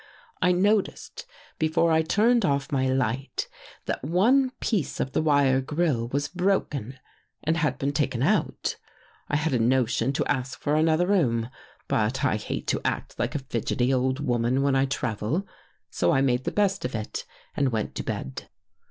I noticed before I turned off my light, that one piece of the wire grille was broken and had been taken out. I had a notion to ask for another room, but I hate to act like a fidgety old woman when I travel, so I made the best of it and went to bed.